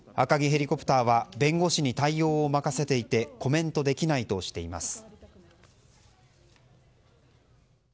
ヘリコプターは弁護士に対応を任せていてコメントできないとしています。